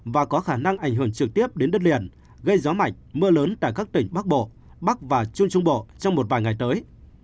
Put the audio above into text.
và có khả năng ảnh hưởng trực tiếp đến đất liền gây gió mạnh mưa lớn tại các tỉnh bắc bộ bắc và trung trung bộ trong một vài ngày tới